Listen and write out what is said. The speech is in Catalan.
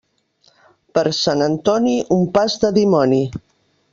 Per Sant Antoni, un pas de dimoni.